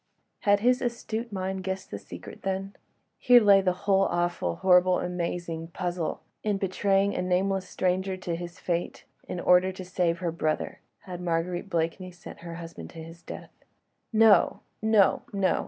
Had his astute mind guessed the secret, then? Here lay the whole awful, horrible, amazing puzzle. In betraying a nameless stranger to his fate in order to save her brother, had Marguerite Blakeney sent her husband to his death? No! no! no!